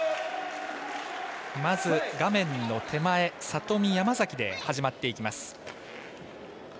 まず、画面の手前里見、山崎で始まっていきます。